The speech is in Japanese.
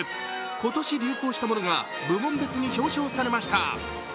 今年流行したものが部門別に表彰されました。